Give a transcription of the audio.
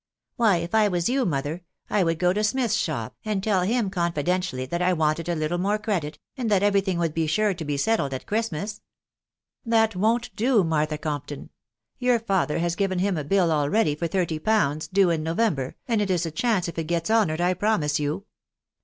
" Why, if I was you, mother, I would go to Smith's shop, and tell him confidentially that I wanted a little more credit, and mat every thing would be sure to be settled at Christmas." " That wo'n't do, Martha Compton. Your father has given (dm a bill already for thirty pounds, due in November, and it is a chance if it gets honoured, I promise you.